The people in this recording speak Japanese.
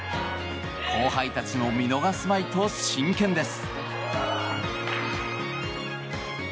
後輩たちも見逃すまいと真剣です。